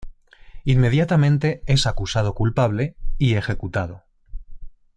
Inmediatamente es acusado culpable y ejecutado.